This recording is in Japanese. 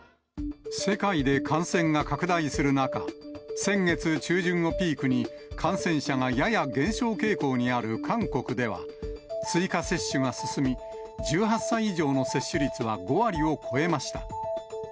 世界で感染が拡大する中、先月中旬をピークに、感染者がやや減少傾向にある韓国では、追加接種が進み、１８歳以上の接種率は５割を超えました。